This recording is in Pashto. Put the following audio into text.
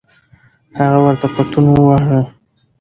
هغه ورته پتون وواهه.